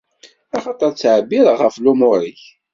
Axaṭer ttɛebbiṛeɣ ɣef lumuṛ-ik.